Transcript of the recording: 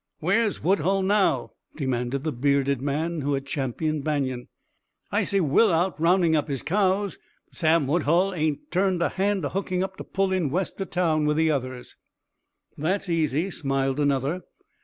"Where's Woodhull now?" demanded the bearded man who had championed Banion. "I see Will out rounding up his cows, but Sam Woodhull ain't turned a hand to hooking up to pull in west o' town with the others." "That's easy," smiled another.